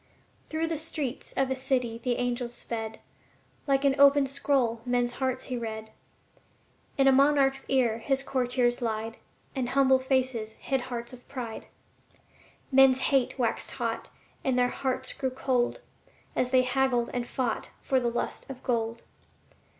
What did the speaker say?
Through the streets of a city the angel sped; Like an open scroll men's hearts he read. In a monarch's ear his courtiers lied And humble faces hid hearts of pride. Men's hate waxed hot, and their hearts grew cold, As they haggled and fought for the lust of gold.